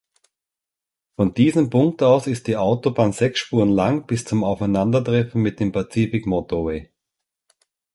Von diesem Punkt aus ist die Autobahn sechs Spuren lang bis zum Aufeinandertreffen mit dem Pacific Motorway.